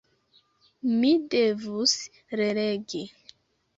Mi devus relegi.